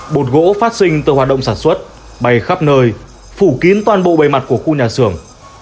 bột gỗ phát sinh từ hoạt động sản xuất bay khắp nơi phủ kín toàn bộ bề mặt của khu nhà xưởng